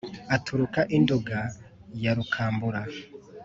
aturuka i nduga ya rukambura